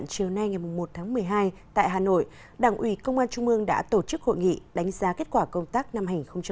chiều nay ngày một tháng một mươi hai tại hà nội đảng ủy công an trung ương đã tổ chức hội nghị đánh giá kết quả công tác năm hai nghìn hai mươi